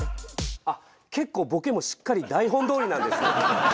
「あっ結構ボケもしっかり台本どおりなんですね」。